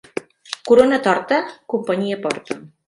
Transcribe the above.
Corona torta, companyia porta.